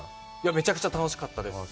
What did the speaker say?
めちゃくちゃ楽しかったです。